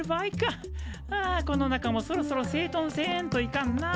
あこの中もそろそろせいとんせんといかんな。